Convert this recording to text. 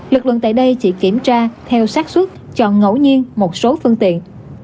lực lượng tại đây chỉ kiểm tra theo sát xuất chọn ngẫu nhiên một số phương tiện